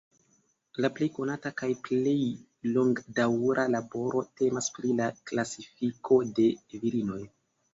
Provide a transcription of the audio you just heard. La plej konata kaj plej longdaŭra laboro temas pri la klasifiko de virinoj.